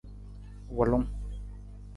Wulung.